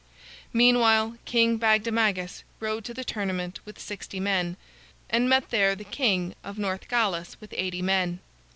Meanwhile King Bagdemagus rode to the tournament with sixty men, and met there the king of Northgalis with eighty men.